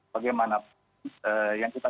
bagaimanapun yang kita